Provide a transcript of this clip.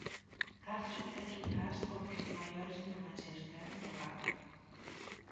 Garchu é quizais o que maiores influencias ten no rap.